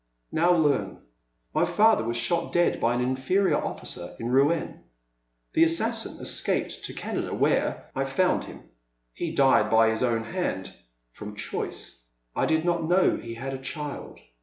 Now leam. My father was shot dead by an inferior oflScer in Rouen. The assassin escaped to Canada where — I found him. He died by his own hand — from choice. I did not know he had a child."